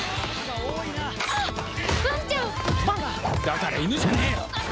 だからイヌじゃねえよ！